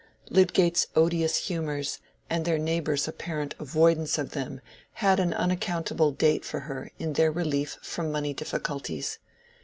Lydgate's odious humors and their neighbors' apparent avoidance of them had an unaccountable date for her in their relief from money difficulties.